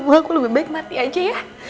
buat aku lebih baik mati aja ya